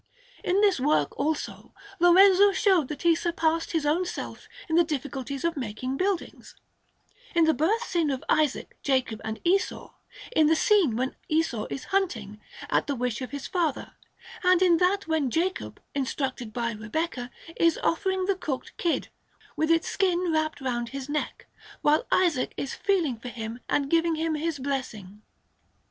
In this work, also, Lorenzo showed that he surpassed his own self in the difficulties of making buildings; in the birth scene of Isaac, Jacob, and Esau; in the scene when Esau is hunting, at the wish of his father; and in that when Jacob, instructed by Rebecca, is offering the cooked kid, with its skin wrapped round his neck, while Isaac is feeling for him and giving him his blessing.